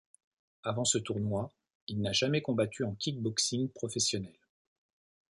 Avant ce tournoi, il n'a jamais combattu en kickboxing professionnel.